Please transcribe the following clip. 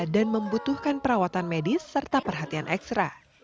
dan membutuhkan perawatan medis serta perhatian ekstra